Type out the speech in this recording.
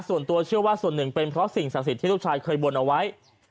ส่วนตัวเชื่อว่าส่วนหนึ่งเป็นเพราะสิ่งศักดิ์สิทธิ์ที่ลูกชายเคยบนเอาไว้